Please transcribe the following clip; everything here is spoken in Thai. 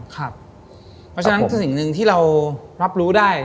เพราะฉะนั้นสิ่งหนึ่งที่เรารับรู้ได้